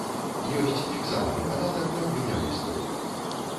Ёсць фіксаваны падатак на гульнявы стол.